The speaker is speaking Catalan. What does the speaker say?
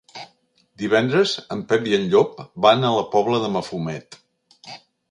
Divendres en Pep i en Llop van a la Pobla de Mafumet.